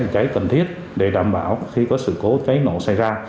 cháy cần thiết để đảm bảo khi có sự cố cháy nổ xảy ra